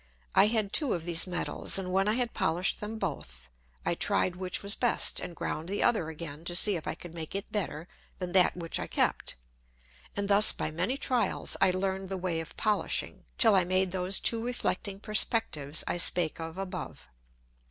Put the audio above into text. I had two of these Metals, and when I had polished them both, I tried which was best, and ground the other again, to see if I could make it better than that which I kept. And thus by many Trials I learn'd the way of polishing, till I made those two reflecting Perspectives I spake of above.